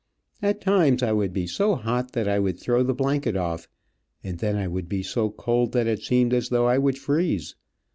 At times I would be so hot that I would throw the blanket off, and then I would be so cold that it seemed as though I would freeze.